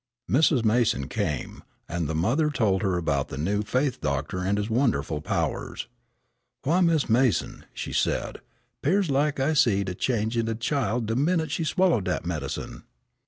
Mrs. Mason came, and the mother told her about the new faith doctor and his wonderful powers. "Why, Mis' Mason," she said, "'pears like I could see de change in de child de minute she swallowed dat medicine."